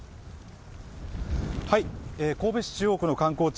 神戸市中央区の観光地